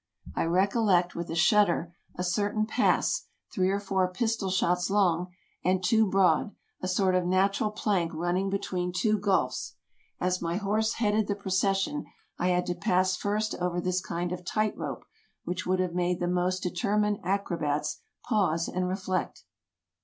I recollect, with a shudder, a certain pass, three or four pistol shots long, and two broad — a sort of natural plank running between two gulfs. As my horse headed the pro cession, I had to pass first over this kind of tight rope, which would have made the most determined acrobats pause and reflect.